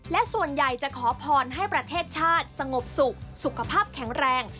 และส่วนใหญ่จะขอพรให้ประเทศชาติสงบสุขสุขภาพแข็งแรง